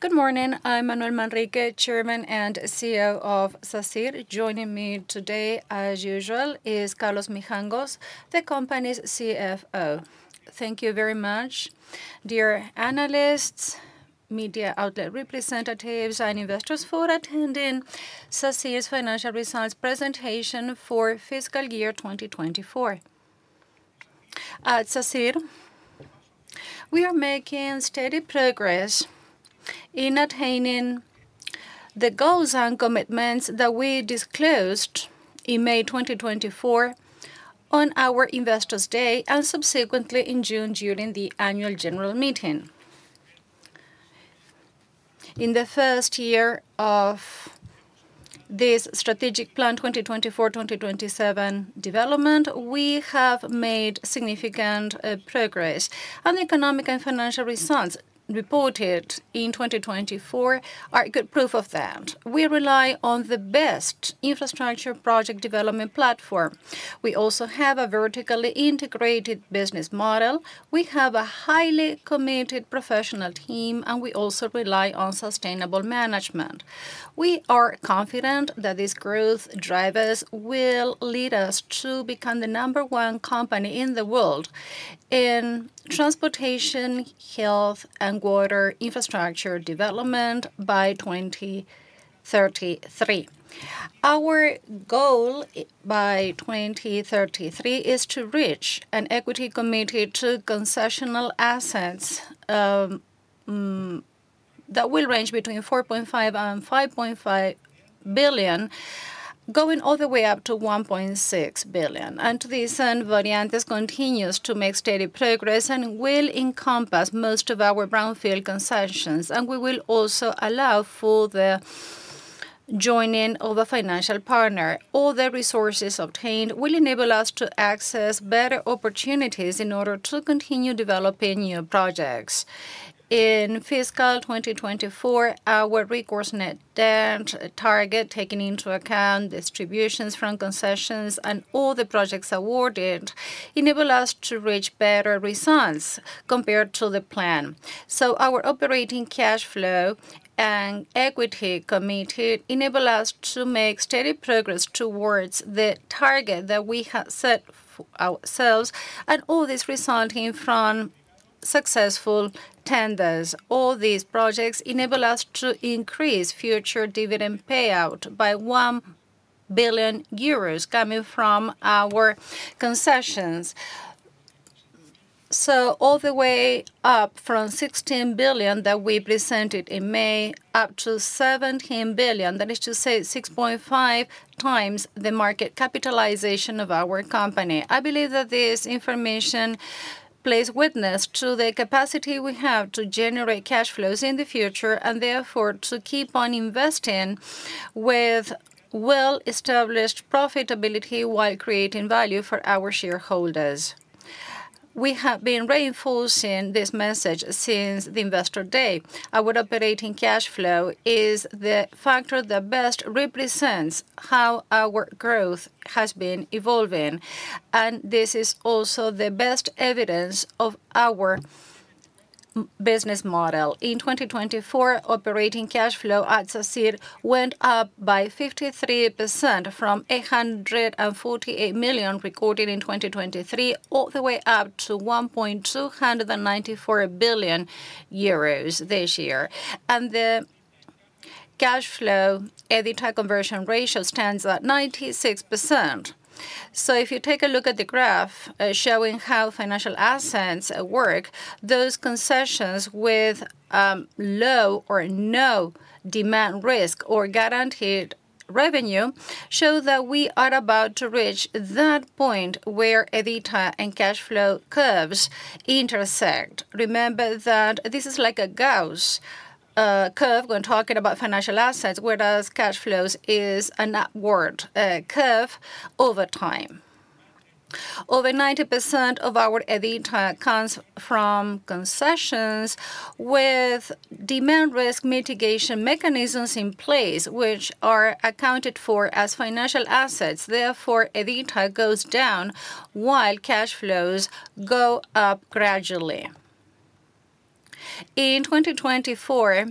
Good morning. I'm Manuel Manrique, Chairman and CEO of Sacyr. Joining me today, as usual, is Carlos Mijangos, the company's CFO. Thank you very much, dear analysts, media outlet representatives, and investors for attending Sacyr's Financial Results Presentation for Fiscal Year 2024. At Sacyr, we are making steady progress in attaining the goals and commitments that we disclosed in May 2024 on our Investors' Day and subsequently in June during the annual general meeting. In the first year of this Strategic Plan 2024-2027 development, we have made significant progress, and the economic and financial results reported in 2024 are good proof of that. We rely on the best infrastructure project development platform. We also have a vertically integrated business model. We have a highly committed professional team, and we also rely on sustainable management. We are confident that this growth drive will lead us to become the number one company in the world in transportation, health, and water infrastructure development by 2033. Our goal by 2033 is to reach an equity-committed concession assets that will range between 4.5billion-5.5 billion, going all the way up to 1.6 billion. And this Voreantis continues to make steady progress and will encompass most of our Brownfield concessions. And we will also allow for the joining of a financial partner. All the resources obtained will enable us to access better opportunities in order to continue developing new projects. In fiscal 2024, our Recourse Net Debt target, taking into account distributions from concessions and all the projects awarded, enables us to reach better results compared to the plan. Our operating cash flow and equity committed enable us to make steady progress towards the target that we have set ourselves, and all this resulting from successful tenders. All these projects enable us to increase future dividend payout by 1 billion euros coming from our concessions. All the way up from 16 billion that we presented in May up to 17 billion, that is to say 6.5 times the market capitalization of our company. I believe that this information bears witness to the capacity we have to generate cash flows in the future and therefore to keep on investing with well-established profitability while creating value for our shareholders. We have been reinforcing this message since the Investor Day. Our operating cash flow is the factor that best represents how our growth has been evolving, and this is also the best evidence of our business model. In 2024, operating cash flow at Sacyr went up by 53% from 148 million recorded in 2023, all the way up to 1.294 billion euros this year. The cash flow EBITDA conversion ratio stands at 96%. If you take a look at the graph showing how financial assets work, those concessions with low or no demand risk or guaranteed revenue show that we are about to reach that point where EBITDA and cash flow curves intersect. Remember that this is like a Gauss curve when talking about financial assets, whereas cash flows is an upward curve over time. Over 90% of our EBITDA comes from concessions with demand risk mitigation mechanisms in place, which are accounted for as financial assets. Therefore, EBITDA goes down while cash flows go up gradually. In 2024,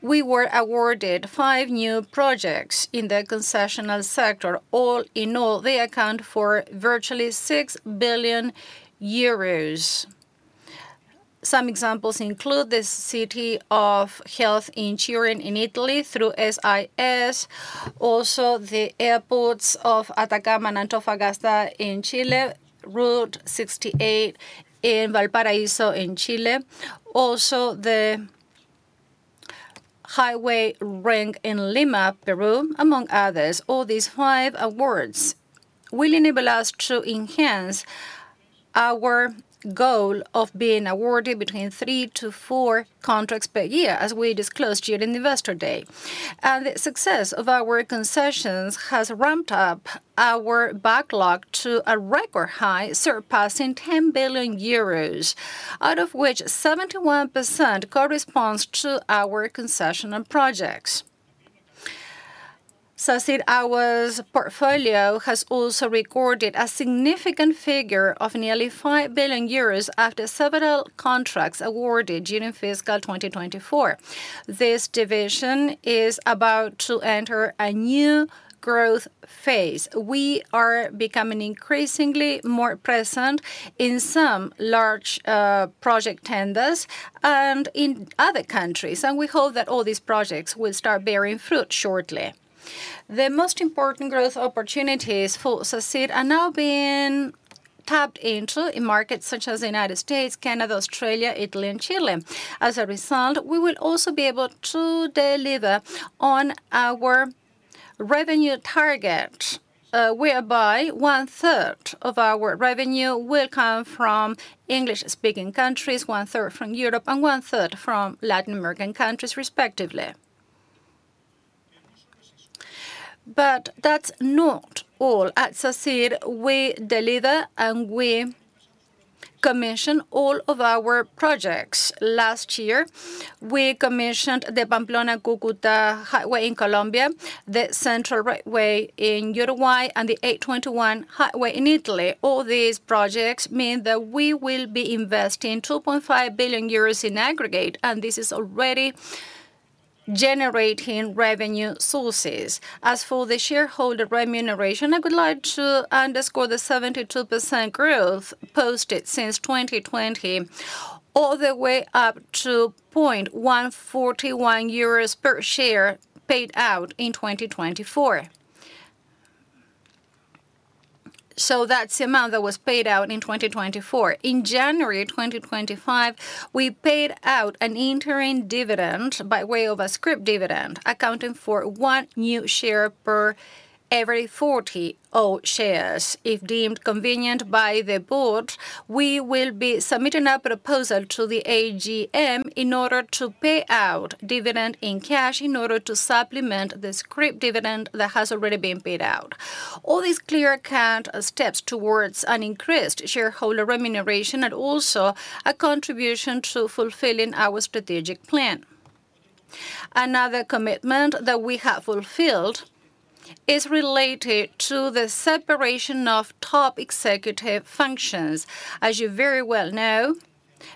we were awarded five new projects in the concessions sector. All in all, they account for virtually 6 billion euros. Some examples include the City of Health in Turin in Italy through SIS, also the airports of Atacama and Antofagasta in Chile, Route 68 in Valparaíso in Chile, also the highway ring in Lima, Peru, among others. All these five awards will enable us to enhance our goal of being awarded between three to four contracts per year, as we disclosed during Investor Day. The success of our concessions has ramped up our backlog to a record high, surpassing 10 billion euros, out of which 71% corresponds to our concessional projects. Sacyr's portfolio has also recorded a significant figure of nearly 5 billion euros after several contracts awarded during fiscal 2024. This division is about to enter a new growth phase. We are becoming increasingly more present in some large project tenders and in other countries, and we hope that all these projects will start bearing fruit shortly. The most important growth opportunities for Sacyr are now being tapped into in markets such as the United States, Canada, Australia, Italy, and Chile. As a result, we will also be able to deliver on our revenue target, whereby one-third of our revenue will come from English-speaking countries, one-third from Europe, and one-third from Latin American countries, respectively. But that's not all. At Sacyr, we deliver and we commission all of our projects. Last year, we commissioned the Pamplona-Cúcuta highway in Colombia, the Central Railway in Uruguay, and the A21 highway in Italy. All these projects mean that we will be investing 2.5 billion euros in aggregate, and this is already generating revenue sources. As for the shareholder remuneration, I would like to underscore the 72% growth posted since 2020, all the way up to 1.41 euros per share paid out in 2024. So that's the amount that was paid out in 2024. In January 2025, we paid out an interim dividend by way of a scrip dividend, accounting for one new share per every 40 old shares. If deemed convenient by the board, we will be submitting a proposal to the AGM in order to pay out dividend in cash in order to supplement the scrip dividend that has already been paid out. All these clear-cut steps towards an increased shareholder remuneration and also a contribution to fulfilling our strategic plan. Another commitment that we have fulfilled is related to the separation of top executive functions. As you very well know,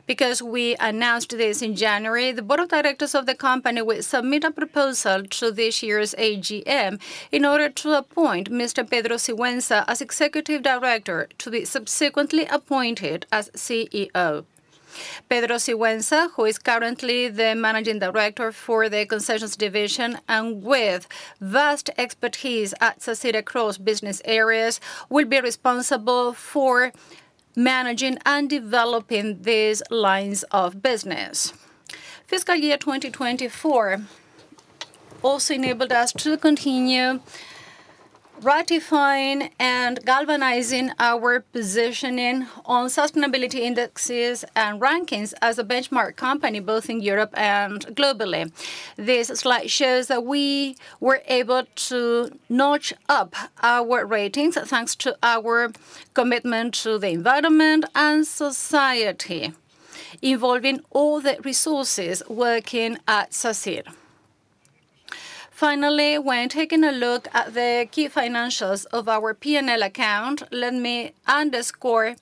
because we announced this in January, the board of directors of the company will submit a proposal to this year's AGM in order to appoint Mr. Pedro Sigüenza as executive director, to be subsequently appointed as CEO. Pedro Sigüenza, who is currently the managing director for the concessions division and with vast expertise at Sacyr across business areas, will be responsible for managing and developing these lines of business. Fiscal year 2024 also enabled us to continue ratifying and galvanizing our positioning on sustainability indexes and rankings as a benchmark company both in Europe and globally. This slide shows that we were able to notch up our ratings thanks to our commitment to the environment and society, involving all the resources working at Sacyr. Finally, when taking a look at the key financials of our P&L account, let me underscore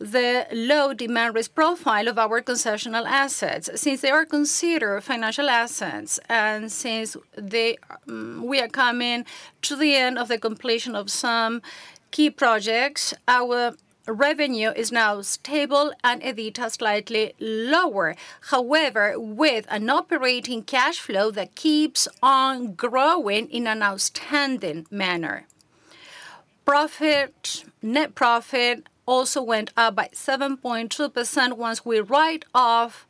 the low demand risk profile of our concessional assets. Since they are considered financial assets and since we are coming to the end of the completion of some key projects, our revenue is now stable and EBITDA slightly lower. However, with an operating cash flow that keeps on growing in an outstanding manner. Net profit also went up by 7.2% once we write off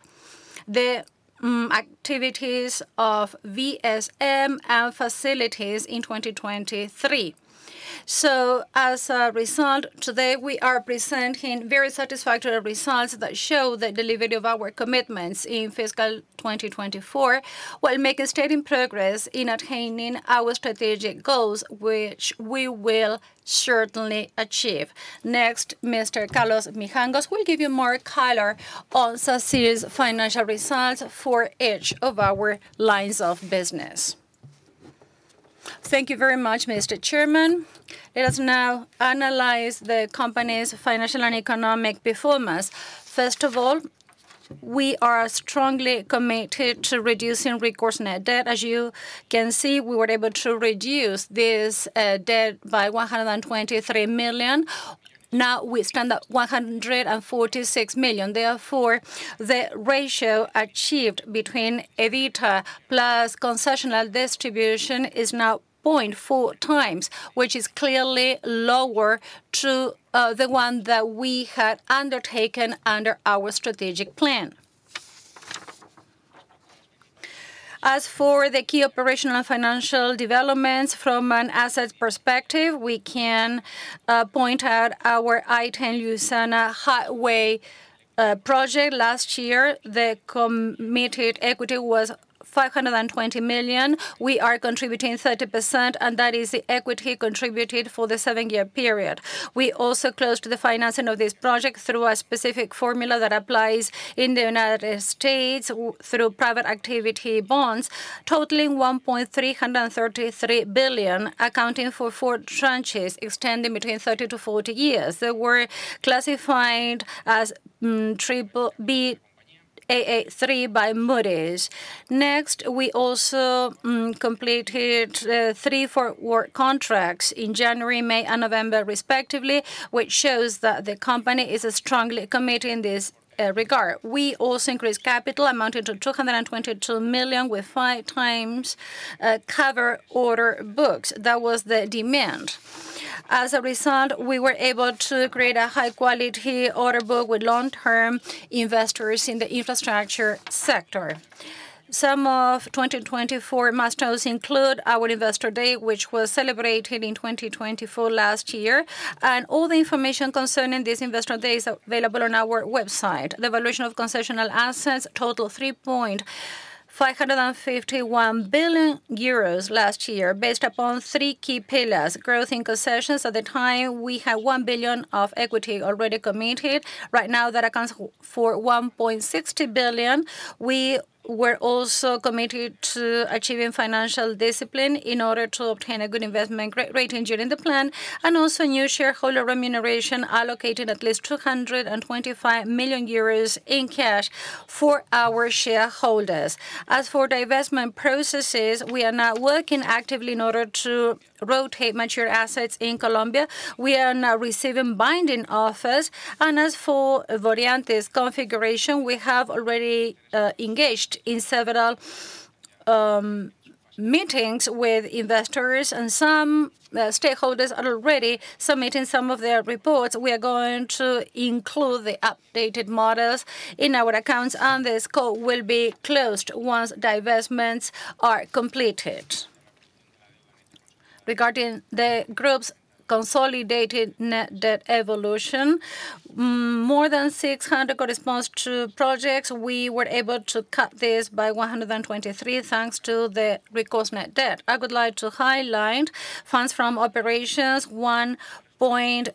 the activities of VSM and facilities in 2023. So, as a result, today we are presenting very satisfactory results that show the delivery of our commitments in fiscal 2024 while making steady progress in attaining our strategic goals, which we will certainly achieve. Next, Mr. Carlos Mijangos will give you more color on Sacyr's financial results for each of our lines of business. Thank you very much, Mr. Chairman. Let us now analyze the company's financial and economic performance. First of all, we are strongly committed to reducing recourse net debt. As you can see, we were able to reduce this debt by 123 million. Now we stand at 146 million. Therefore, the ratio achieved between EBITDA plus concession distribution is now 0.4 times, which is clearly lower than the one that we had undertaken under our strategic plan. As for the key operational and financial developments from an asset perspective, we can point out our I-10 Louisiana Highway project last year. The committed equity was 520 million. We are contributing 30%, and that is the equity contributed for the seven-year period. We also closed the financing of this project through a specific formula that applies in the United States through private activity bonds, totaling 1.333 billion, accounting for four tranches extending between 30-40 years. They were classified as Baa3 by Moody's. Next, we also completed three forward contracts in January, May, and November, respectively, which shows that the company is strongly committed in this regard. We also increased capital amounting to 222 million, with five times cover order books. That was the demand. As a result, we were able to create a high-quality order book with long-term investors in the infrastructure sector. Some of 2024 milestones include our Investor Day, which was celebrated in 2024 last year. All the information concerning this Investor Day is available on our website. The valuation of concession assets totaled 3.551 billion euros last year, based upon three key pillars: growth in concessions. At the time, we had 1 billion of equity already committed. Right now, that accounts for 1.60 billion. We were also committed to achieving financial discipline in order to obtain a good investment rate and during the plan, and also new shareholder remuneration allocating at least 225 million euros in cash for our shareholders. As for the investment processes, we are now working actively in order to rotate mature assets in Colombia. We are now receiving binding offers, and as for Voreantis configuration, we have already engaged in several meetings with investors, and some stakeholders are already submitting some of their reports. We are going to include the updated models in our accounts, and the scope will be closed once divestments are completed. Regarding the group's consolidated net debt evolution, more than 600 corresponds to projects. We were able to cut this by 123 thanks to the recourse net debt. I would like to highlight funds from operations, 1.94 billion. As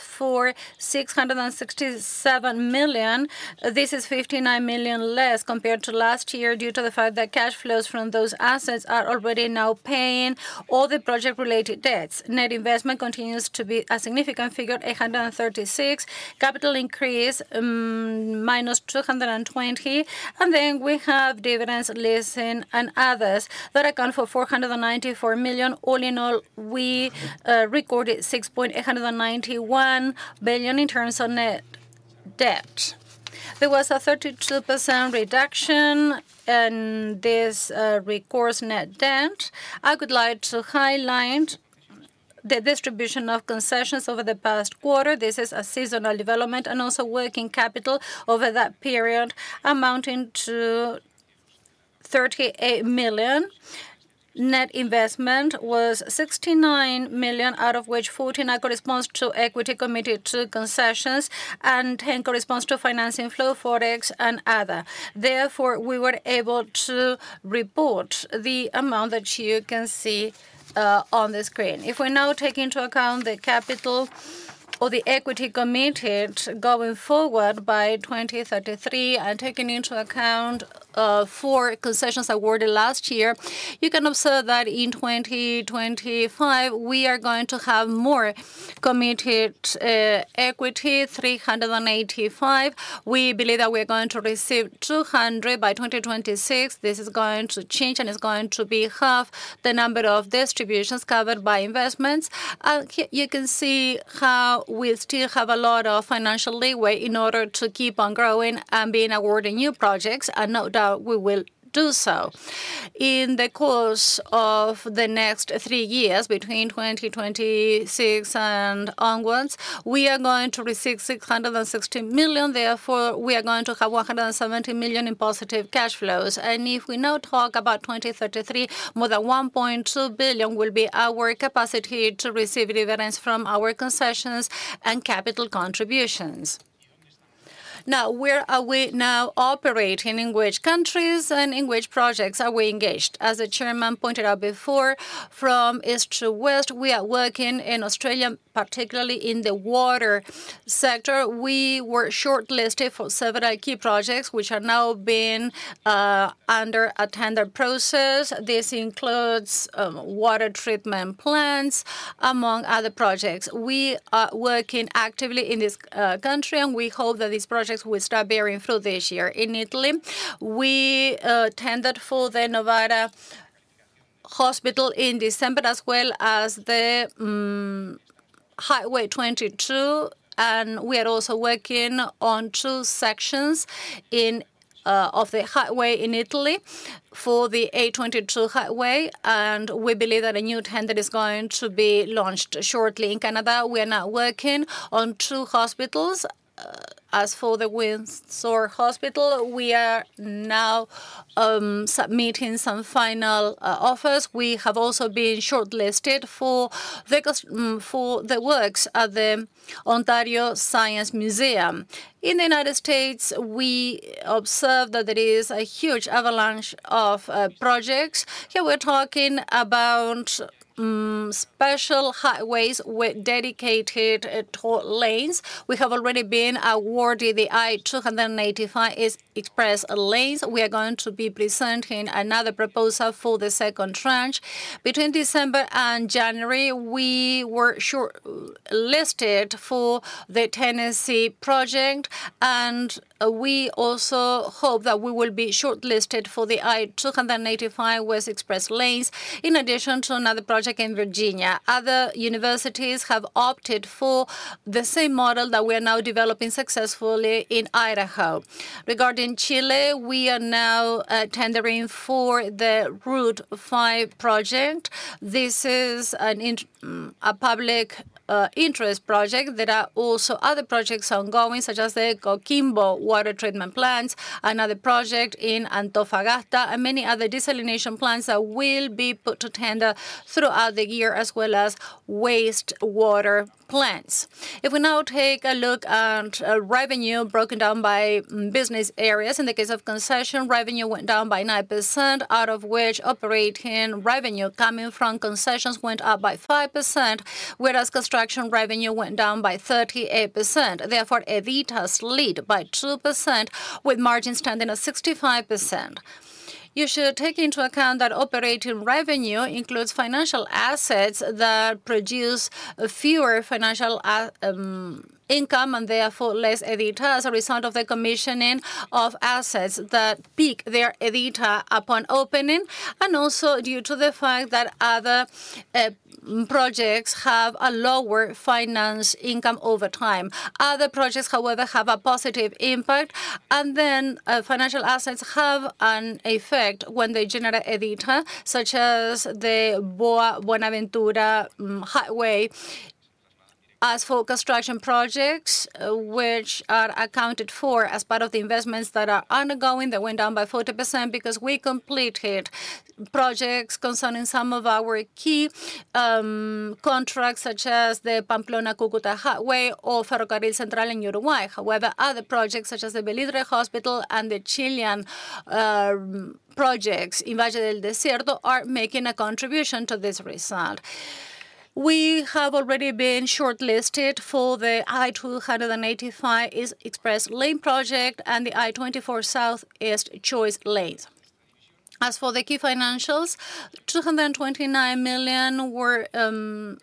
for 667 million, this is 59 million less compared to last year due to the fact that cash flows from those assets are already now paying all the project-related debts. Net investment continues to be a significant figure, 836, capital increase minus 220. And then we have dividends, leasing, and others that account for 494 million. All in all, we recorded 6.891 billion in terms of net debt. There was a 32% reduction in this recourse net debt. I would like to highlight the distribution of concessions over the past quarter. This is a seasonal development and also working capital over that period amounting to 38 million. Net investment was 69 million, out of which 14 corresponds to equity committed to concessions and 10 corresponds to financing flow, forex, and other. Therefore, we were able to report the amount that you can see on the screen. If we now take into account the capital or the equity committed going forward by 2033 and taking into account four concessions awarded last year, you can observe that in 2025, we are going to have more committed equity, 385. We believe that we are going to receive 200 by 2026. This is going to change, and it's going to be half the number of distributions covered by investments, and here you can see how we still have a lot of financial leeway in order to keep on growing and being awarded new projects, and no doubt we will do so. In the course of the next three years, between 2026 and onwards, we are going to receive 660 million. Therefore, we are going to have 170 million in positive cash flows. If we now talk about 2033, more than 1.2 billion will be our capacity to receive dividends from our concessions and capital contributions. Now, where are we now operating? In which countries and in which projects are we engaged? As the Chairman pointed out before, from east to west, we are working in Australia, particularly in the water sector. We were shortlisted for several key projects, which are now being under a tender process. This includes water treatment plants, among other projects. We are working actively in this country, and we hope that these projects will start bearing fruit this year. In Italy, we tendered for the Novara Hospital in December, as well as the Highway 22. And we are also working on two sections of the highway in Italy for the A22 highway. And we believe that a new tender is going to be launched shortly in Canada. We are now working on two hospitals. As for the Windsor-Essex Hospitals System, we are now submitting some final offers. We have also been shortlisted for the works at the Ontario Science Centre. In the United States, we observe that there is a huge avalanche of projects. Here we're talking about special highways with dedicated toll lanes. We have already been awarded the I-285 Express Lanes. We are going to be presenting another proposal for the second tranche between December and January. We were shortlisted for the Tennessee project, and we also hope that we will be shortlisted for the I-285 West Express Lanes, in addition to another project in Virginia. Other universities have opted for the same model that we are now developing successfully in Idaho. Regarding Chile, we are now tendering for the Route 5 project. This is a public interest project. There are also other projects ongoing, such as the Coquimbo water treatment plants, another project in Antofagasta, and many other desalination plants that will be put to tender throughout the year, as well as wastewater plants. If we now take a look at revenue broken down by business areas, in the case of concession, revenue went down by 9%, out of which operating revenue coming from concessions went up by 5%, whereas construction revenue went down by 38%. Therefore, EBITDA is led by 2%, with margins standing at 65%. You should take into account that operating revenue includes financial assets that produce fewer financial income and therefore less EBITDA as a result of the commissioning of assets that peak their EBITDA upon opening, and also due to the fact that other projects have a lower finance income over time. Other projects, however, have a positive impact, and then financial assets have an effect when they generate EBITDA, such as the Buga-Buenaventura Highway. As for construction projects, which are accounted for as part of the investments that are undergoing, they went down by 40% because we completed projects concerning some of our key contracts, such as the Pamplona-Cúcuta Highway or Ferrocarril Central in Uruguay. However, other projects, such as the Velindre Hospital and the Chilean projects in Valles del Desierto, are making a contribution to this result. We have already been shortlisted for the I-285 Express Lanes project and the I-24 Southeast Choice Lanes. As for the key financials, 229 million were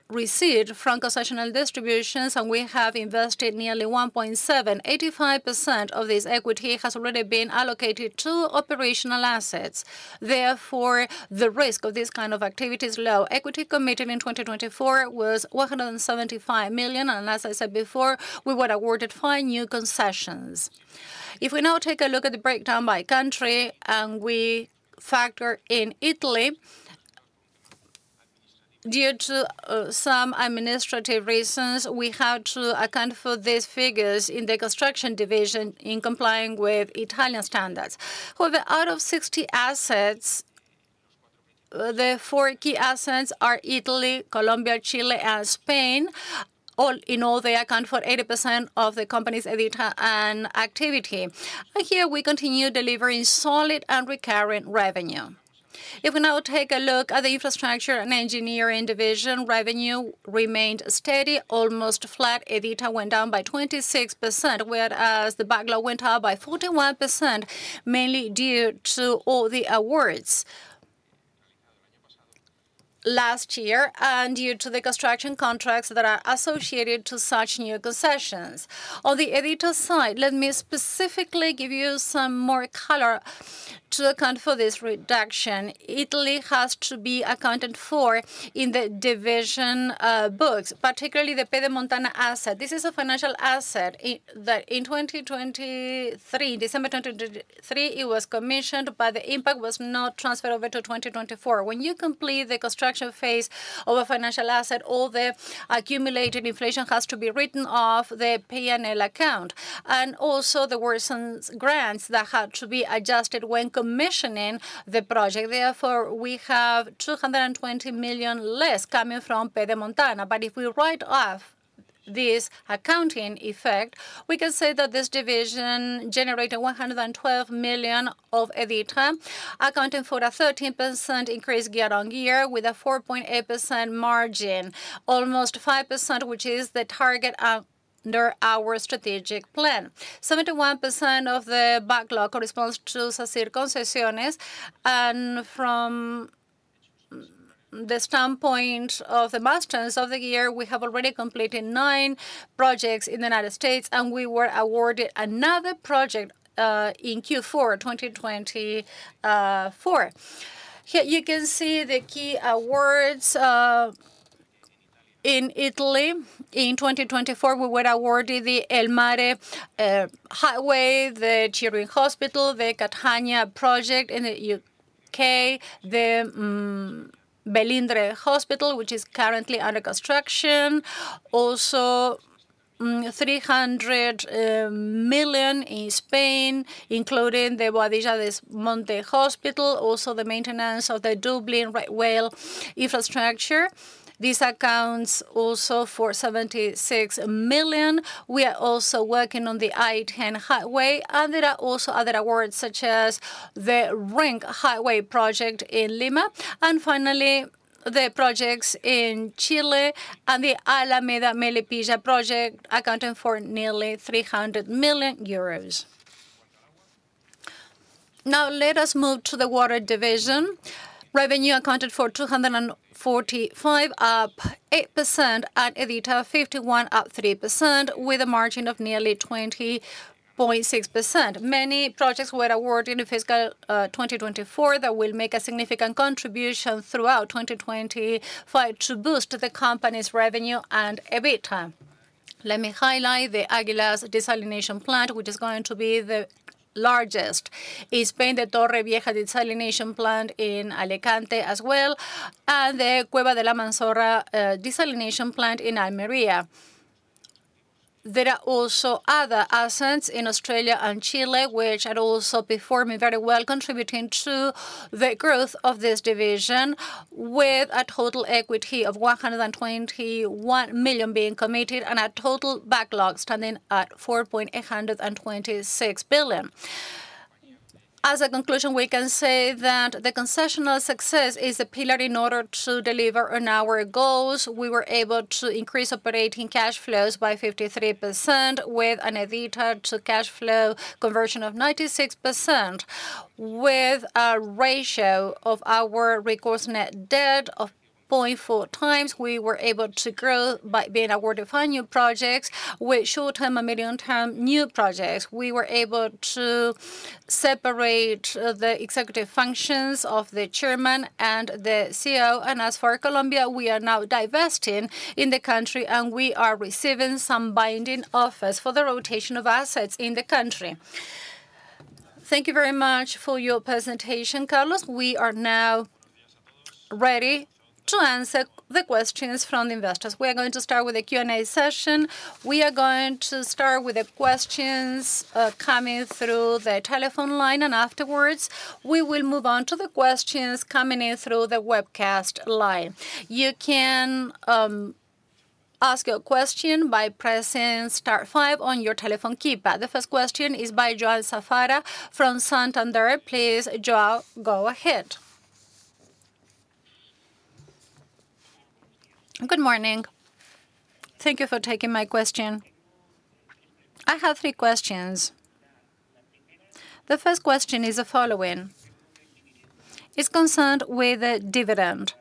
received from concession distributions, and we have invested nearly 1.7, 85% of this equity has already been allocated to operational assets. Therefore, the risk of this kind of activity is low. Equity committed in 2024 was 175 million, and as I said before, we were awarded five new concessions. If we now take a look at the breakdown by country and we factor in Italy, due to some administrative reasons, we have to account for these figures in the construction division in complying with Italian standards. However, out of 60 assets, the four key assets are Italy, Colombia, Chile, and Spain. All in all, they account for 80% of the company's EBITDA and activity. And here we continue delivering solid and recurring revenue. If we now take a look at the infrastructure and engineering division, revenue remained steady, almost flat. EBITDA went down by 26%, whereas the backlog went up by 41%, mainly due to all the awards last year and due to the construction contracts that are associated to such new concessions. On the EBITDA side, let me specifically give you some more color to account for this reduction. Italy has to be accounted for in the division books, particularly the Pedemontana-Veneta asset. This is a financial asset that in 2023, in December 2023, it was commissioned, but the impact was not transferred over to 2024. When you complete the construction phase of a financial asset, all the accumulated inflation has to be written off the P&L account and also the [Worson's grants that had to be adjusted when commissioning the project. Therefore, we have 220 million less coming from Pedemontana-Veneta. But if we write off this accounting effect, we can say that this division generated 112 million of EBITDA, accounting for a 13% increase year on year with a 4.8% margin, almost 5%, which is the target under our strategic plan. 71% of the backlog corresponds to Sacyr concessions. From the standpoint of the milestones of the year, we have already completed nine projects in the United States, and we were awarded another project in Q4 2024. Here you can see the key awards in Italy. In 2024, we were awarded the Via del Mare, the Chieri Hospital, the Catania project, in the UK, the Velindre Hospital, which is currently under construction. Also, 300 million in Spain, including the Boadilla del Monte Hospital, also the maintenance of the Dublin Rail infrastructure. This accounts also for 76 million. We are also working on the I-10 Highway, and there are also other awards such as the Ring Highway project in Lima. Finally, the projects in Chile and the Alameda-Melipilla project accounting for nearly 300 million euros. Now, let us move to the water division. Revenue accounted for 245, up 8%, and EBITDA of 51, up 3%, with a margin of nearly 20.6%. Many projects were awarded in fiscal 2024 that will make a significant contribution throughout 2025 to boost the company's revenue and EBITDA. Let me highlight the Águilas Desalination Plant, which is going to be the largest in Spain, the Torrevieja Desalination Plant in Alicante as well, and the Cuevas del Almanzora Desalination Plant in Almería. There are also other assets in Australia and Chile, which are also performing very well, contributing to the growth of this division, with a total equity of 121 million being committed and a total backlog standing at 4.826 billion. As a conclusion, we can say that the concession success is a pillar in order to deliver on our goals. We were able to increase operating cash flows by 53% with an EBITDA to cash flow conversion of 96%. With a ratio of our recourse net debt of 0.4 times, we were able to grow by being awarded five new projects, with short-term and medium-term new projects. We were able to separate the executive functions of the Chairman and the CEO, and as for Colombia, we are now divesting in the country, and we are receiving some binding offers for the rotation of assets in the country. Thank you very much for your presentation, Carlos. We are now ready to answer the questions from the investors. We are going to start with a Q&A session. We are going to start with the questions coming through the telephone line, and afterwards, we will move on to the questions coming in through the webcast line. You can ask your question by pressing Star 5 on your telephone keypad. The first question is by João Safara from Santander. Please, João, go ahead. Good morning. Thank you for taking my question. I have three questions. The first question is the following. It's concerned with the dividend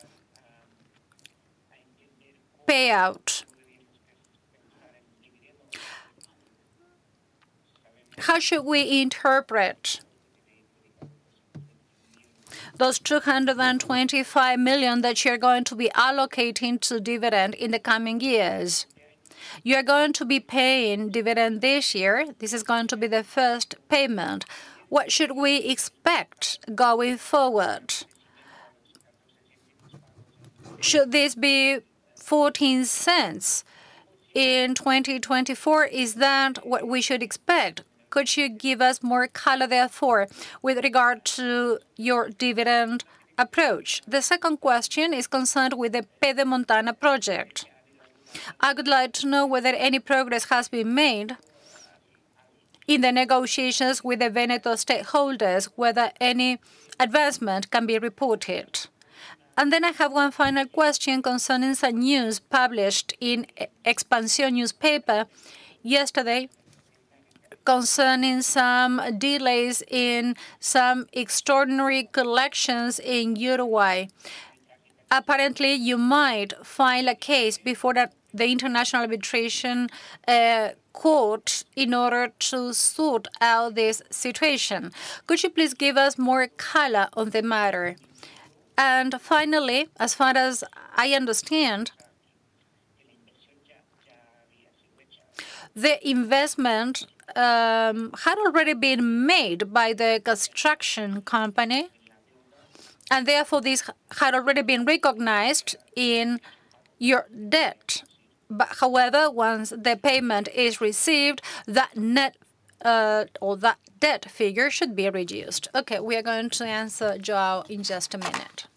payout. How should we interpret those 225 million that you're going to be allocating to dividend in the coming years? You're going to be paying dividend this year. This is going to be the first payment. What should we expect going forward? Should this be 0.14 in 2024? Is that what we should expect? Could you give us more color therefore with regard to your dividend approach? The second question is concerned with the Pedemontana project. I would like to know whether any progress has been made in the negotiations with the Veneto stakeholders, whether any advancement can be reported, and then I have one final question concerning some news published in Expansión newspaper yesterday concerning some delays in some extraordinary collections in Uruguay. Apparently, you might file a case before the International Court of Arbitration in order to sort out this situation. Could you please give us more color on the matter? and finally, as far as I understand, the investment had already been made by the construction company, and therefore this had already been recognized in your debt. However, once the payment is received, that net or that debt figure should be reduced. Okay, we are going to answer João in just a minute.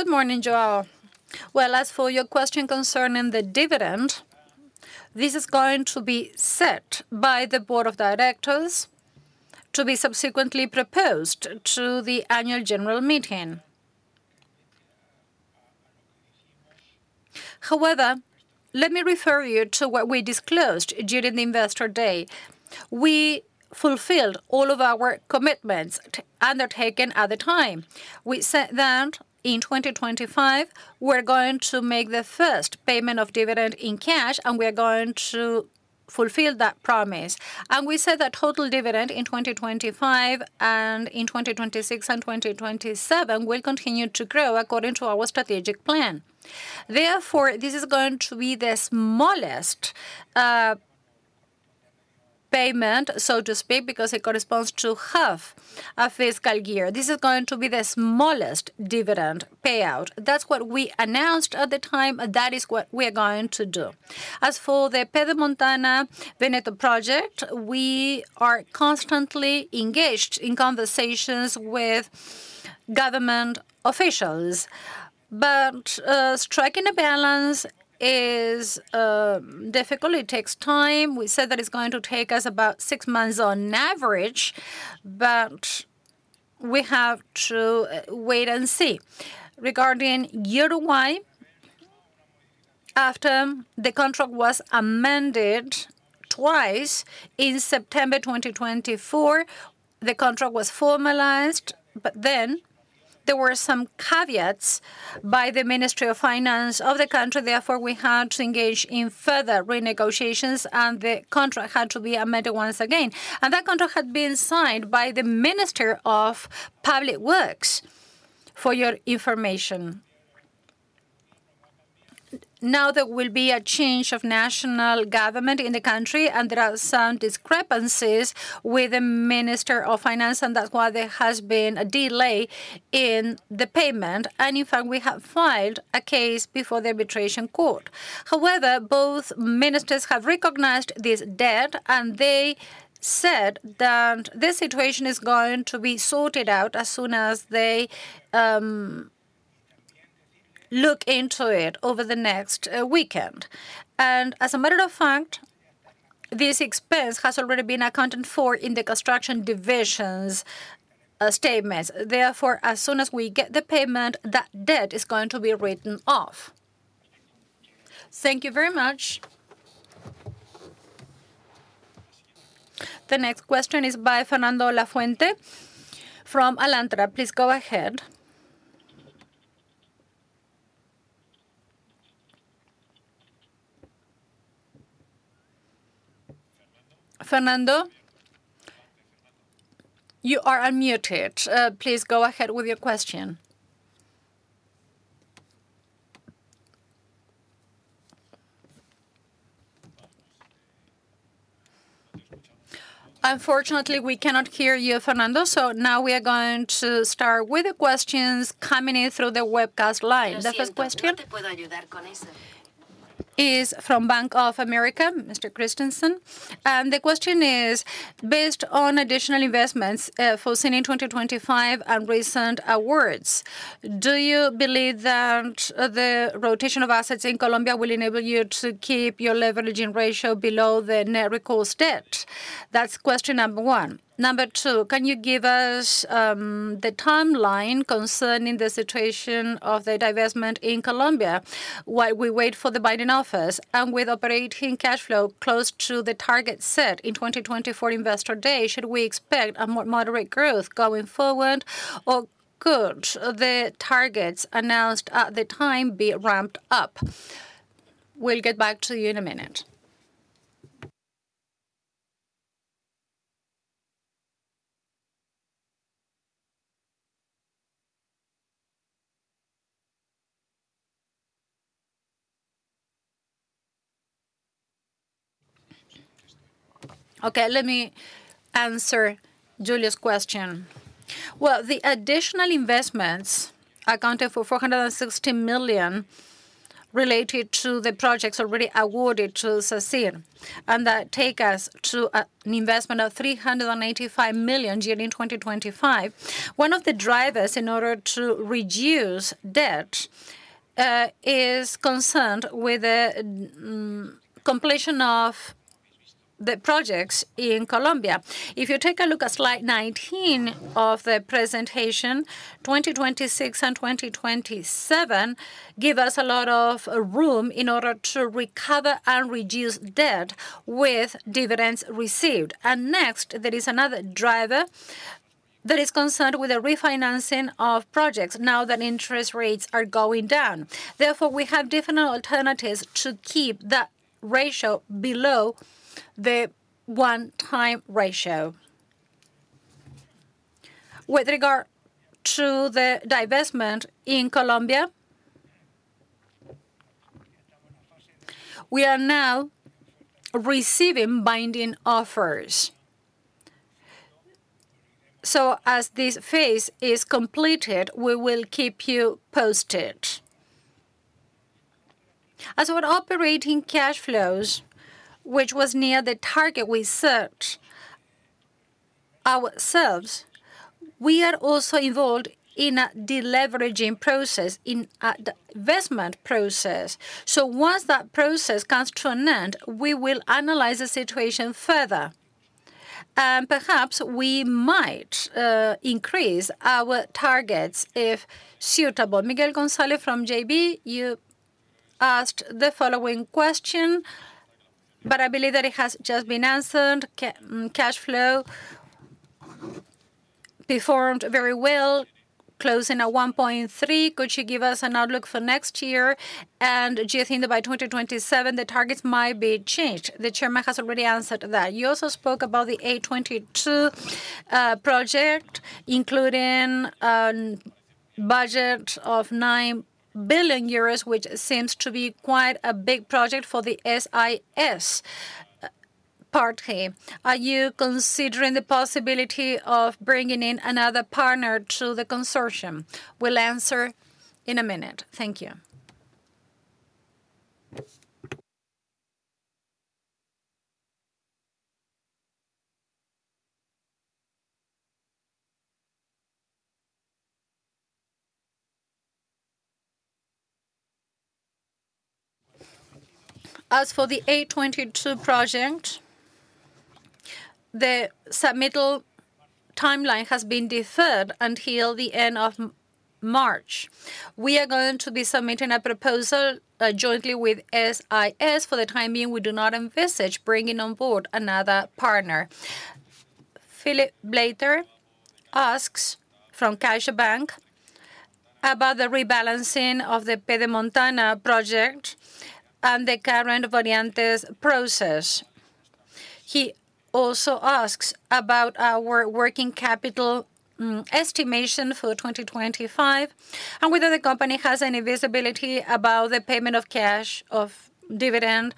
Good morning, João. As for your question concerning the dividend, this is going to be set by the board of directors to be subsequently proposed to the annual general meeting. However, let me refer you to what we disclosed during the investor day. We fulfilled all of our commitments undertaken at the time. We said that in 2025, we're going to make the first payment of dividend in cash, and we're going to fulfill that promise. And we said that total dividend in 2025 and in 2026 and 2027 will continue to grow according to our strategic plan. Therefore, this is going to be the smallest payment, so to speak, because it corresponds to half a fiscal year. This is going to be the smallest dividend payout. That's what we announced at the time. That is what we are going to do. As for the Pedemontana-Veneta project, we are constantly engaged in conversations with government officials, but striking a balance is difficult. It takes time. We said that it's going to take us about six months on average, but we have to wait and see. Regarding Uruguay, after the contract was amended twice in September 2024, the contract was formalized, but then there were some caveats by the Ministry of Finance of the country. Therefore, we had to engage in further renegotiations, and the contract had to be amended once again, and that contract had been signed by the Minister of Public Works, for your information. Now, there will be a change of national government in the country, and there are some discrepancies with the Minister of Finance, and that's why there has been a delay in the payment. In fact, we have filed a case before the International Court of Arbitration. However, both ministers have recognized this debt, and they said that this situation is going to be sorted out as soon as they look into it over the next weekend. And as a matter of fact, this expense has already been accounted for in the construction division's statements. Therefore, as soon as we get the payment, that debt is going to be written off. Thank you very much. The next question is by Fernando Lafuente from Alantra. Please go ahead. Fernando, you are unmuted. Please go ahead with your question. Unfortunately, we cannot hear you, Fernando, so now we are going to start with the questions coming in through the webcast line. The first question is from Bank of America, Mr. Christensen. The question is, based on additional investments foreseen in 2025 and recent awards, do you believe that the rotation of assets in Colombia will enable you to keep your leveraging ratio below the net recourse debt? That's question number one. Number two, can you give us the timeline concerning the situation of the divestment in Colombia while we wait for the binding offer? And with operating cash flow close to the target set in 2024 Investor Day, should we expect a more moderate growth going forward, or could the targets announced at the time be ramped up? We'll get back to you in a minute. Okay, let me answer Julia's question. The additional investments accounted for 460 million related to the projects already awarded to Sacyr, and that takes us to an investment of 385 million during 2025. One of the drivers in order to reduce debt is concerned with the completion of the projects in Colombia. If you take a look at slide 19 of the presentation, 2026 and 2027 give us a lot of room in order to recover and reduce debt with dividends received, and next, there is another driver that is concerned with the refinancing of projects now that interest rates are going down. Therefore, we have different alternatives to keep that ratio below the one-time ratio. With regard to the divestment in Colombia, we are now receiving binding offers, so as this phase is completed, we will keep you posted. As for operating cash flows, which was near the target we set ourselves, we are also involved in a deleveraging process in the investment process, so once that process comes to an end, we will analyze the situation further. Perhaps we might increase our targets if suitable. Miguel González from JB, you asked the following question, but I believe that it has just been answered. Cash flow performed very well, closing at 1.3. Could you give us an outlook for next year? And do you think that by 2027, the targets might be changed? The Chairman has already answered that. You also spoke about the A22 project, including a budget of 9 billion euros, which seems to be quite a big project for the SIS party. Are you considering the possibility of bringing in another partner to the consortium? We'll answer in a minute. Thank you. As for the A22 project, the submittal timeline has been deferred until the end of March. We are going to be submitting a proposal jointly with SIS. For the time being, we do not envisage bringing on board another partner. Filipe Leite asks from CaixaBank about the rebalancing of the Pedemontana-Veneta project and the current Voreantis process. He also asks about our working capital estimation for 2025 and whether the company has any visibility about the payment of cash dividend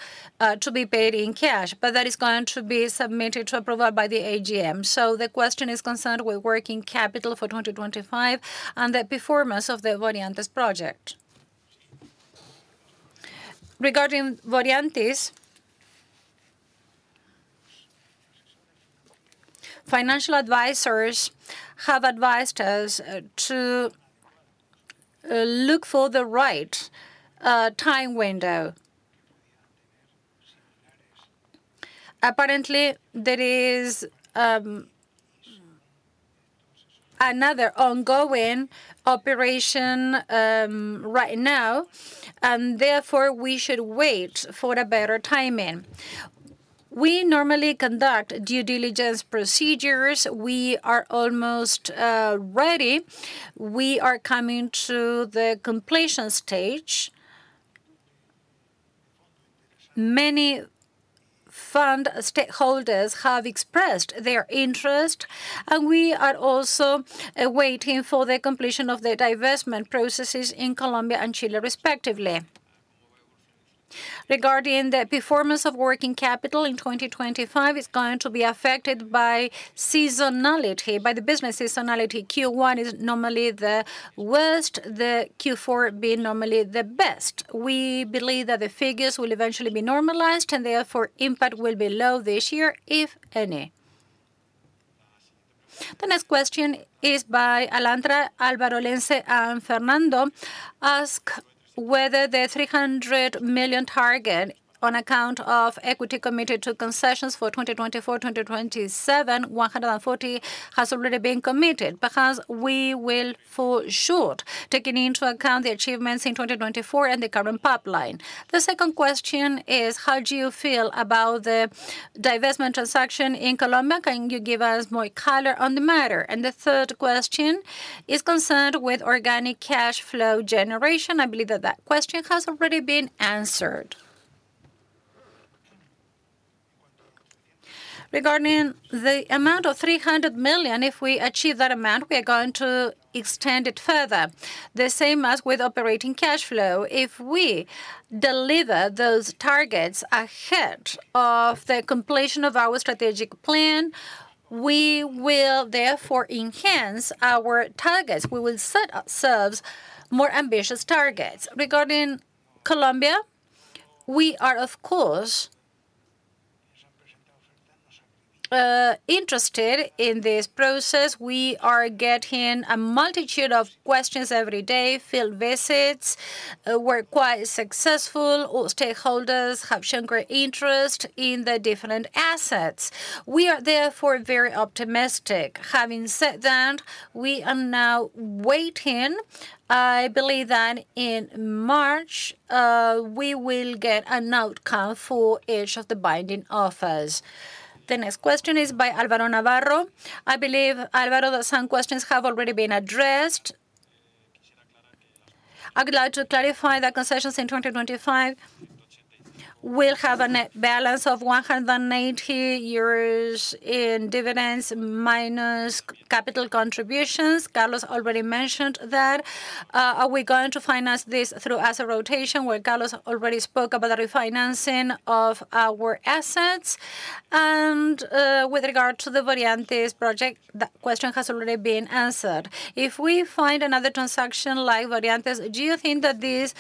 to be paid in cash, but that is going to be subject to approval by the AGM. So the question is concerned with working capital for 2025 and the performance of the Voreantis project. Regarding Voreantis, financial advisors have advised us to look for the right time window. Apparently, there is another ongoing operation right now, and therefore we should wait for a better timing. We normally conduct due diligence procedures. We are almost ready. We are coming to the completion stage. Many fund stakeholders have expressed their interest, and we are also waiting for the completion of the divestment processes in Colombia and Chile, respectively. Regarding the performance of working capital in 2025, it's going to be affected by seasonality, by the business seasonality. Q1 is normally the worst, the Q4 being normally the best. We believe that the figures will eventually be normalized, and therefore impact will be low this year, if any. The next question is by Alantra, Álvaro Lence and Fernando ask whether the 300 million target on account of equity committed to concessions for 2024-2027, 140, has already been committed. Perhaps we will forecast, taking into account the achievements in 2024 and the current pipeline. The second question is, how do you feel about the divestment transaction in Colombia? Can you give us more color on the matter? And the third question is concerned with organic cash flow generation. I believe that that question has already been answered. Regarding the amount of 300 million, if we achieve that amount, we are going to extend it further. The same as with operating cash flow. If we deliver those targets ahead of the completion of our strategic plan, we will therefore enhance our targets. We will set ourselves more ambitious targets. Regarding Colombia, we are, of course, interested in this process. We are getting a multitude of questions every day, field visits. We're quite successful. All stakeholders have shown great interest in the different assets. We are therefore very optimistic. Having said that, we are now waiting. I believe that in March, we will get an outcome for each of the binding offers. The next question is by Álvaro Navarro. I believe, Álvaro, that some questions have already been addressed. I'd like to clarify that concessions in 2025 will have a net balance of 180 euros in dividends minus capital contributions. Carlos already mentioned that. Are we going to finance this through asset rotation, where Carlos already spoke about the refinancing of our assets? And with regard to the Voreantis project, that question has already been answered. If we find another transaction like Voreantis, do you think that this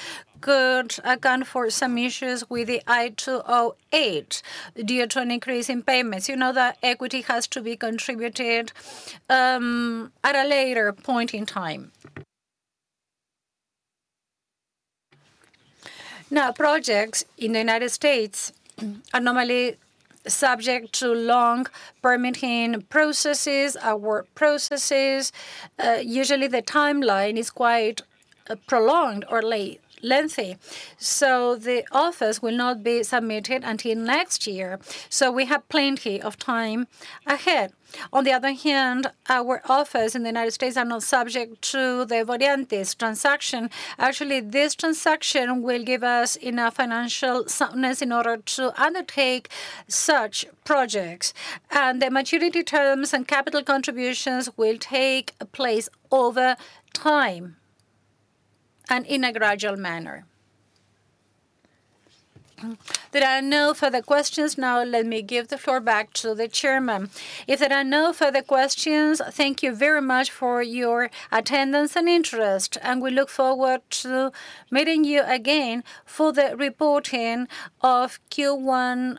could account for some issues with the I-285 due to an increase in payments? You know that equity has to be contributed at a later point in time. Now, projects in the United States are normally subject to long permitting processes, award processes. Usually, the timeline is quite prolonged or lengthy, so the offers will not be submitted until next year. So we have plenty of time ahead. On the other hand, our offers in the United States are not subject to the Voreantis transaction. Actually, this transaction will give us enough financial soundness in order to undertake such projects. And the maturity terms and capital contributions will take place over time and in a gradual manner. There are no further questions. Now, let me give the floor back to the Chairman. If there are no further questions, thank you very much for your attendance and interest, and we look forward to meeting you again for the reporting of Q1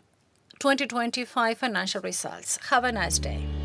2025 financial results. Have a nice day.